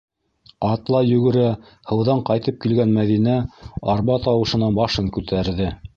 Атлай-йүгерә һыуҙан ҡайтып килгән Мәҙинә арба тауышына башын күтәрҙе.